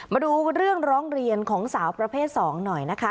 มาดูเรื่องร้องเรียนของสาวประเภท๒หน่อยนะคะ